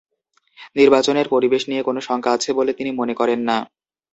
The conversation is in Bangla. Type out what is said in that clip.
নির্বাচনের পরিবেশ নিয়ে কোনো শঙ্কা আছে বলে তিনি মনে করেন না।